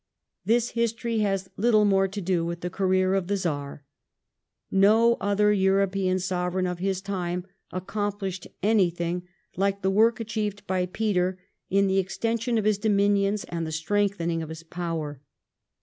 This history has little more to do with the career of the Czar, No other European Sovereign of his time accomplished anything like the work achieved by Peter in the extension of his dominions and the strengthening of his power.